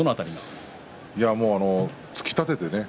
突きたててね。